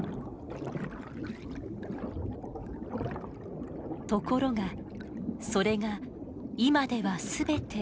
ところがそれが今では全て海の底。